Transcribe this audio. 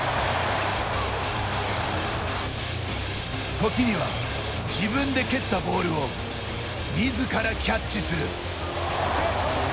時には自分で蹴ったボールをみずからキャッチする。